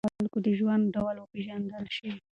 باید د خلکو د ژوند ډول وپېژندل شي.